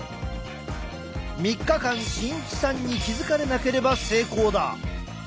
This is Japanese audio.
３日間慎一さんに気付かれなければ成功だ。